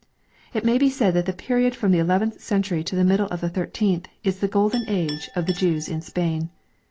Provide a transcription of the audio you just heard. It may be said that the period from the eleventh century to the middle of the thirteenth is the golden age of the Jews in Spain.